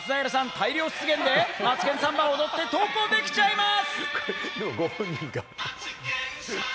大量出現で『マツケンサンバ』を踊って投稿できちゃいます。